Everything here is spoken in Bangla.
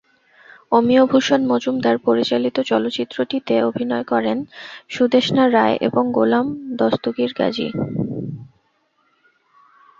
অমিয়ভূষণ মজুমদার পরিচালিত চলচ্চিত্রটিতে অভিনয় করেন সুদেষ্ণা রায় এবং গোলাম দস্তগীর গাজী।